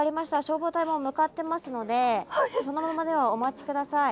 消防隊もう向かってますのでそのままではお待ち下さい。